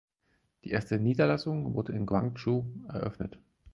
Die erste Niederlassung wurde in Guangzhou eröffnet.